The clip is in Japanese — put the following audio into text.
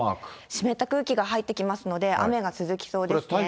湿った空気が入ってきますので、雨が続きそうです。